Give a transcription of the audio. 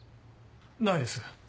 ないです。